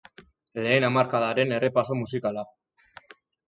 Lehen hamarkadaren errepaso musikala!